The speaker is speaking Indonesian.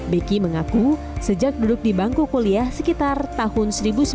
beki mengaku sejak duduk di bangku kuliah sekitar tahun seribu sembilan ratus sembilan puluh